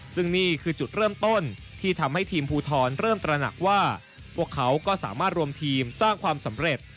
ซึ่งนี่คือจุดเริ่มต้นที่ทำให้ทีมภูทรเริ่มตระหนักว่าพวกเขาก็สามารถรวมทีมสร้างความสำเร็จ